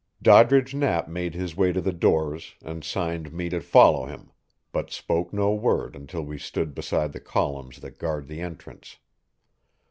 Doddridge Knapp made his way to the doors and signed me to follow him, but spoke no word until we stood beside the columns that guard the entrance.